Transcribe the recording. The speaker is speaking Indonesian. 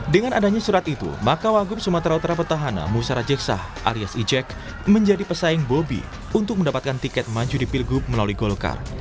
dengan adanya surat itu maka wagub sumatera utara petahana musara jeksah alias ijek menjadi pesaing bobby untuk mendapatkan tiket maju di pilgub melalui golkar